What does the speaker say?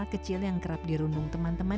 kecil yang kerap dirundung teman teman